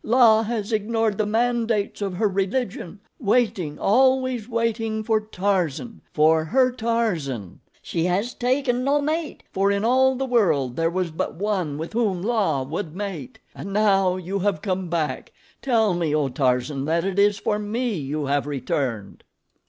La has ignored the mandates of her religion, waiting, always waiting for Tarzan—for her Tarzan. She has taken no mate, for in all the world there was but one with whom La would mate. And now you have come back! Tell me, O Tarzan, that it is for me you have returned."